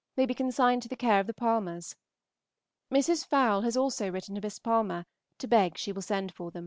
may be consigned to the care of the Palmers. Mrs. Fowle has also written to Miss Palmer to beg she will send for them.